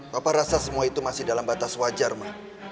papa rasa semua itu masih dalam batas wajar mbak